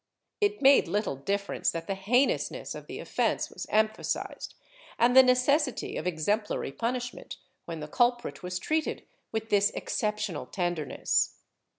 It made little difference that the heinousness of the offence was emphasized, and the neces sity of exemplary punishment, when the culprit was treated with this exceptional tenderness.